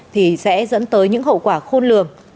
thì sẽ dẫn tới những hậu quả khôn lường